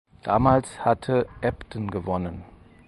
Damals hatte Ebdon gewonnen.